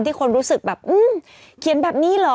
ที่คนรู้สึกแบบอื้อเขียนแบบนี้เหรอ